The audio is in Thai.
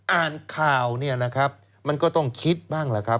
อ่านข่าวเนี่ยนะครับมันก็ต้องคิดบ้างแหละครับ